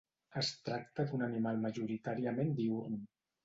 Es tracta d'un animal majoritàriament diürn.